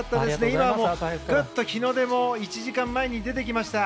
今はもう、日の出も１時間前から出てきました。